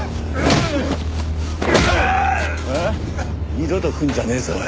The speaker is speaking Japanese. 二度と来んじゃねえぞおい。